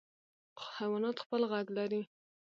حیوانات خپل غږ لري.